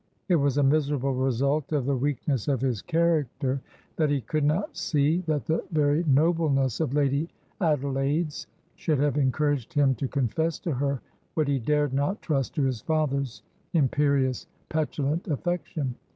It was a miserable result of the weakness of his character that he could not see that the very nobleness of Lady Adelaide's should have encouraged him to confess to her what he dared not trust to his father's imperious, petulant affection.